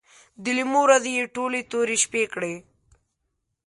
د لیمو ورځې یې ټولې تورې شپې کړې